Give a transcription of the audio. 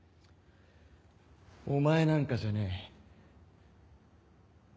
お前なんかじゃねえ。